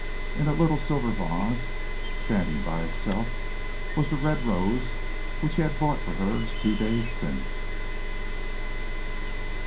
In a little silver vase, standing by itself, was the red rose which he had bought for her two days since!